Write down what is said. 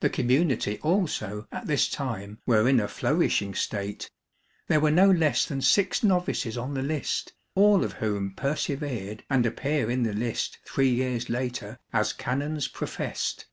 The community also at this time were in a flourishing state; there were no less than six novices on the list, all of whom persevered and appear in the list three years later as canons professed.